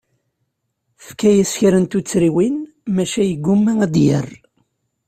Tefka-yas kra n tuttriwin, maca yegguma ad d-yerr.